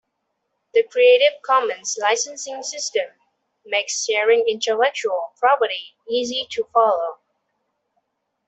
The creative commons licensing system makes sharing intellectual property easy to follow.